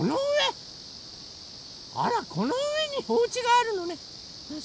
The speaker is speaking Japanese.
あらこのうえにおうちがあるのね。